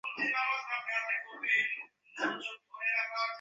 আজ্ঞে না, তাঁহার কোনো বিপদ ঘটে নাই।